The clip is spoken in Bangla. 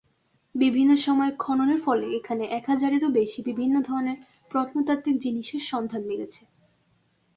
বিভিন্ন সময়ে খননের ফলে এখানে এক হাজারেরও বেশি বিভিন্ন ধরনের প্রত্নতাত্ত্বিক জিনিসের সন্ধান মিলেছে।